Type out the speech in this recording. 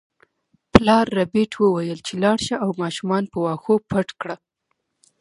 پلار ربیټ وویل چې لاړه شه او ماشومان په واښو پټ کړه